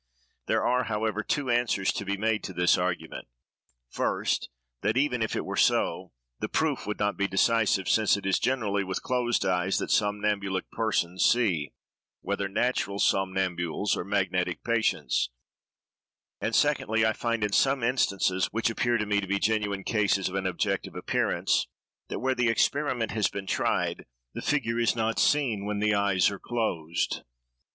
There are, however, two answers to be made to this argument: first, that even if it were so, the proof would not be decisive, since it is generally with closed eyes that somnambulic persons see, whether natural somnambules or magnetic patients; and, secondly, I find in some instances, which appear to me to be genuine cases of an objective appearance, that where the experiment has been tried, the figure is not seen when the eyes are closed.